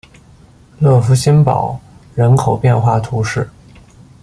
勒福新堡人口变化图示